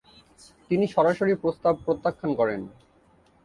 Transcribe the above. তিনি সরাসরি প্রস্তাব প্রত্যাখ্যান করেন।